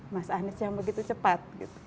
mas anies yang begitu cepat